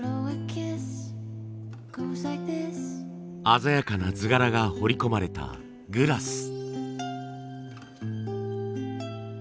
鮮やかな図柄が彫り込まれたグラス。